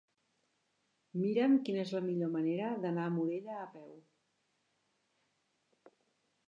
Mira'm quina és la millor manera d'anar a Morella a peu.